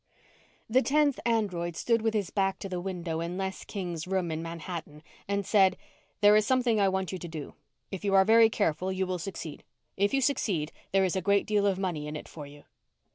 The tenth android stood with his back to the window in Les King's room in Manhattan and said, "There is something I want you to do. If you are very careful, you will succeed. If you succeed, there is a great deal of money in it for you."